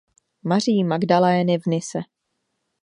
Maří Magdalény v Nise.